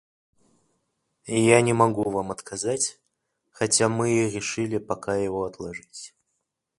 Я не могу вам отказать, хотя мы и решили пока его отложить.